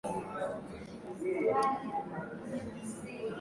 Alifanya ziara yake ya kwanza ya kiserikali nje ya nchi